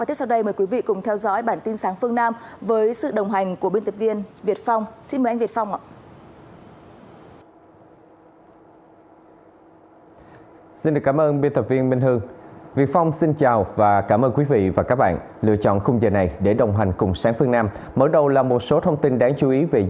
thủ tướng nhấn mạnh